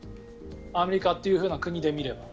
アメリカという国で見れば。